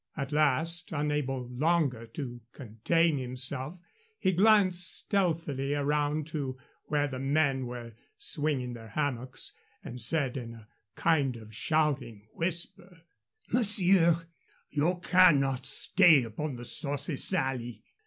At last, unable longer to contain himself, he glanced stealthily around to where the men were swinging their hammocks, and said, in a kind of shouting whisper: "Monsieur, you cannot stay upon the Saucy Sally.